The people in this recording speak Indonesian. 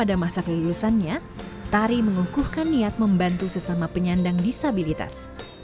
setelah lulusannya tari mengukuhkan niat membantu sesama penyandang disabilitas